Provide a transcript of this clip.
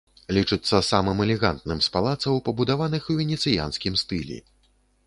Лічыцца самым элегантным з палацаў, пабудаваных у венецыянскім стылі.